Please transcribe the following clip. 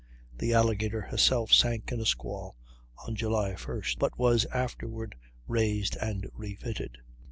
The Alligator herself sank in a squall on July 1st, but was afterward raised and refitted.